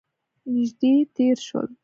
نژدې تیر شول